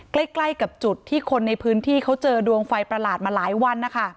ใกล้กับจุดที่คนในพื้นที่เขาเจอดวงไฟประหลาดมาหลายวันนะคะ